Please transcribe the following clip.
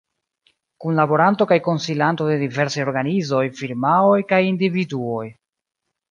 Kunlaboranto kaj konsilanto de diversaj organizoj, firmaoj kaj individuoj.